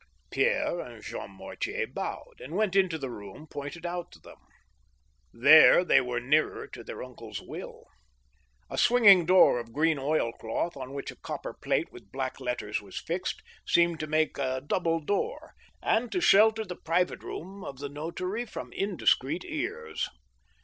Pierre and Jean Mortier bowed, and went into the room pointed out to them. There they were nearer to their uncle's will. A swing ing door of green oil cloth, on which a copper plate with black letters was fixed, seemed to make a double door, and to shelter the private room of the notary from indiscreet ears.